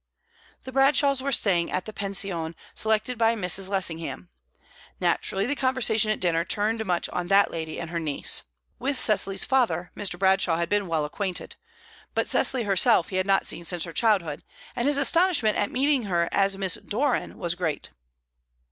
The Bradshaws were staying at the pension selected by Mrs. Lessingham. Naturally the conversation at dinner turned much on that lady and her niece. With Cecily's father Mr. Bradshaw had been well acquainted, but Cecily herself he had not seen since her childhood, and his astonishment at meeting her as Miss Doran was great.